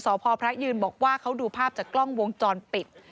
สพพระยืนบอกว่าเขาดูภาพจากกล้องวงจรปิด